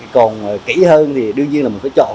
còn kỹ hơn thì đương nhiên là mình phải chọn